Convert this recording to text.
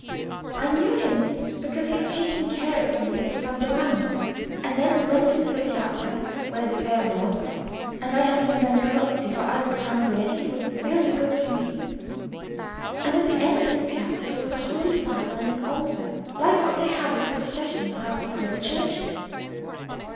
I knew him because he had taken care of me at the San Giovanni, and then we went into the piazza where the fair was, and I had some berlingozzi, for I was hungry and he was very good to me; and at the end of the piazza there was a holy father, and an altar like what they have at the processions outside the churches.